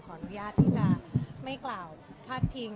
ขออนุญาตที่จะไม่กล่าวพาดพิง